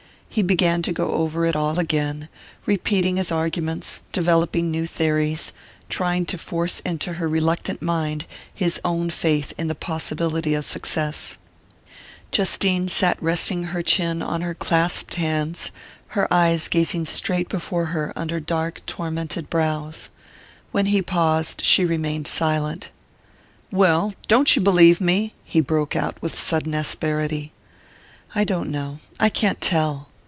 He began to go over it all again repeating his arguments, developing new theories, trying to force into her reluctant mind his own faith in the possibility of success. Justine sat resting her chin on her clasped hands, her eyes gazing straight before her under dark tormented brows. When he paused she remained silent. "Well don't you believe me?" he broke out with sudden asperity. "I don't know...I can't tell...."